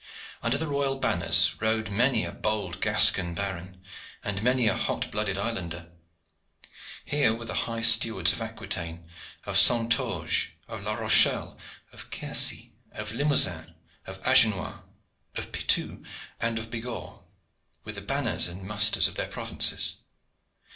Under the royal banners rode many a bold Gascon baron and many a hot blooded islander. Here were the high stewards of Aquitaine, of Saintonge, of La Rochelle, of Quercy, of Limousin, of Agenois, of Poitou, and of Bigorre, with the banners and musters of their provinces.